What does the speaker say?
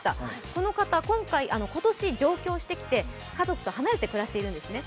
この方、今年上京してきまして家族と離れてくらしているんですね。